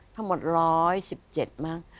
ทั้งหมด๑๑๗มั้ง